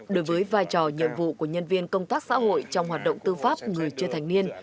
đối với vai trò nhiệm vụ của nhân viên công tác xã hội trong hoạt động tư pháp người chưa thành niên